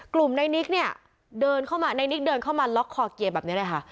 กลุ่มในนิกเนี่ยเดินเข้ามาในนิกเดินเข้ามาล็อกคอเกียร์แบบนี้เลยค่ะ